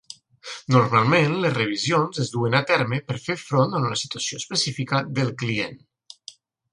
Normalment les revisions es duen a terme per fer front a una situació específica del client.